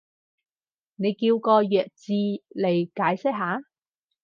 你叫個弱智嚟解釋下